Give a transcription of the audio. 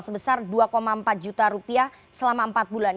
sebesar dua empat juta rupiah selama empat bulan